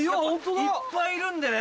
いっぱいいるんでね。